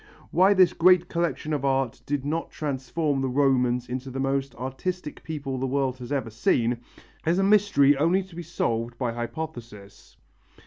Why this great collection of art did not transform the Romans into the most artistic people the world has ever seen, is a mystery only to be solved by hypothesis.